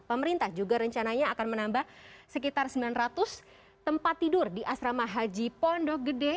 pemerintah juga rencananya akan menambah sekitar sembilan ratus tempat tidur di asrama haji pondok gede